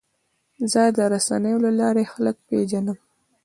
زه د رسنیو له لارې خلک پېژنم.